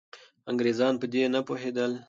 انګریزان په دې نه پوهېدل.